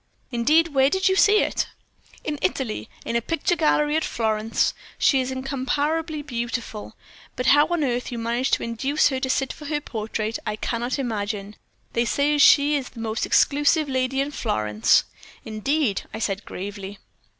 "'Indeed, where did you see it?' "'In Italy, in a picture gallery at Florence. She is incomparably beautiful. But how on earth you managed to induce her to sit for her portrait, I cannot imagine. They say she is the most exclusive lady in Florence.' "'Indeed,' I said, gravely.